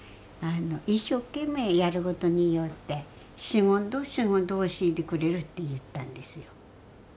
あの一生懸命やることによって「仕事仕事教えてくれる」って言ったんですよ。